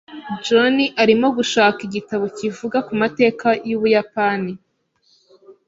John arimo gushaka igitabo kivuga ku mateka y'Ubuyapani.